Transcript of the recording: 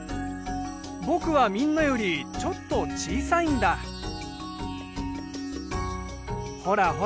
僕はみんなよりちょっと小さいんだほら